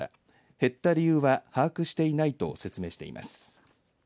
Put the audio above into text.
減った理由は把握していないと説明しています。